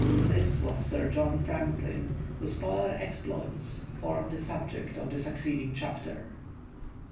This was Sir John Franklin, whose Polar exploits form the subject of the succeeding chapter.